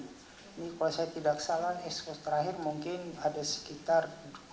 ini kalau saya tidak salah excos terakhir mungkin ada sekitar